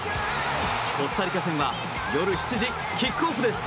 コスタリカ戦は夜７時キックオフです。